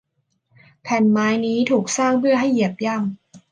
แผ่นไม้นี้ถูกสร้างเพื่อให้เหยียบย่ำ